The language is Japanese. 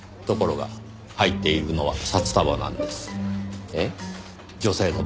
ところが入っているのは札束なんです。